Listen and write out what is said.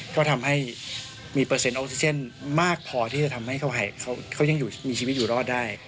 ก็ทำให้มีเปอร์เซ็นออกซิเจนมากพอที่จะทำให้เขายังมีชีวิตอยู่รอดได้